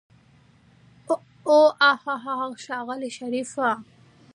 اوح هاهاها ښاغلی شريفه.